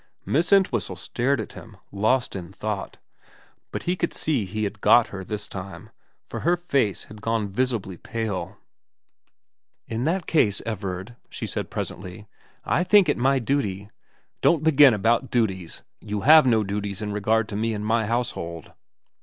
Miss Entwhistle stared at him, lost in thought ; but he could see he had got her this time, for her face had gone visibly pale. ' In that case, Everard,' she said presently, * I think it my duty '' Don't begin about duties. You have no duties in regard to me and my household.'